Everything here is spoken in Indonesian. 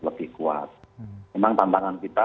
lebih kuat memang tantangan kita